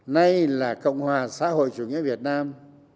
nay là cộng hòa xã hội chủ nghĩa việt nam